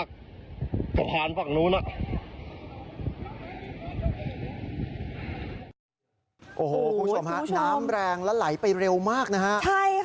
โอ้โหคุณผู้ชมฮะน้ำแรงและไหลไปเร็วมากนะฮะใช่ค่ะ